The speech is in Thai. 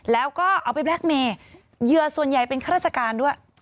แล้วก็เอาไปแล็คเมย์เหยื่อส่วนใหญ่เป็นข้าราชการด้วย